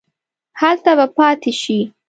هلته به پاتې شې.